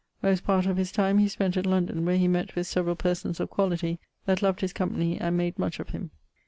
Most part of his time he spent at London, where he mett with severall persons of quality that loved his company, and made much of him.